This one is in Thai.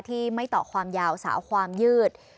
ที่ไม่ต่อความยาวสาวความยืด